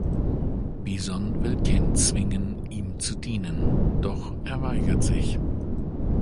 Bison will Ken zwingen, ihm zu dienen, doch er weigert sich.